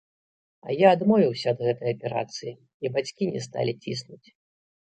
А я адмовіўся ад гэтай аперацыі, і бацькі не сталі ціснуць.